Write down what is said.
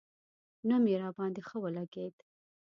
نوم یې راباندې ښه ولګېد.